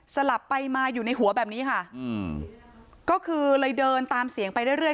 สลับไปมาอยู่ในหัวแบบนี้ค่ะอืมก็คือเลยเดินตามเสียงไปเรื่อยเรื่อย